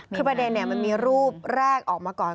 คือประเด็นมันมีรูปแรกออกมาก่อน